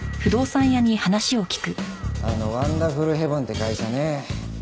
あのワンダフルヘブンって会社ね